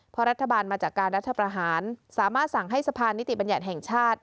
เพราะรัฐบาลมาจากการรัฐประหารสามารถสั่งให้สะพานนิติบัญญัติแห่งชาติ